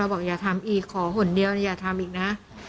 บอกอย่าทำอีกขอห่นเดียวอย่าทำอีกนะ